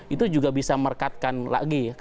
itu juga bisa merekatkan lagi ya